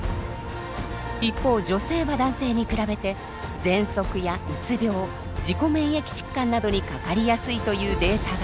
一方女性は男性に比べてぜんそくやうつ病自己免疫疾患などにかかりやすいというデータが。